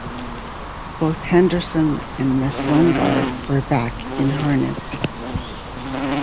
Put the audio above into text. Both Henderson and Miss Lingard were back in harness.